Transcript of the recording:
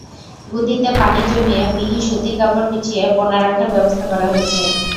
গুদিতে পানি জমিয়ে মিহি সুতি কাপড় বিছিয়ে পোনা রাখার ব্যবস্থা করা হয়েছে।